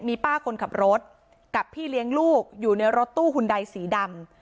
มีป้าคนขับรถกับพี่เลี้ยงลูกอยู่ในรถตู้หุ่นใดสีดำ